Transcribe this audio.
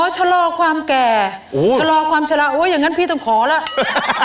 ชะลอความแก่ชะลอความชะละโอ้ยอย่างนั้นพี่ต้องขอแล้ว